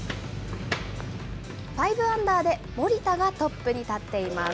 ファイブアンダーで森田がトップに立っています。